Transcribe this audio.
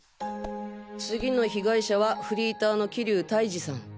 次の被害者はフリーターの桐生泰二さん。